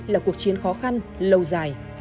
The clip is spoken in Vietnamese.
là cuộc chiến khó khăn lâu dài